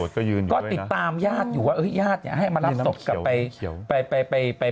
ก็ติดตามญาติอยู่ว่าญาติเนี่ยให้มารับศพกลับไปไป